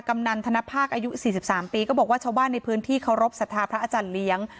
กำนันธนภาคอายุ๔๓ปีก็บอกว่าชาวบ้านในพื้นที่เคารพสัทธาพระอาจารย์เลี้ยง